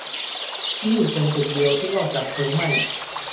นี่เป็นตึกเดียวที่รอดจากเพลิงไหม้